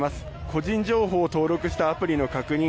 個人情報を登録したアプリの確認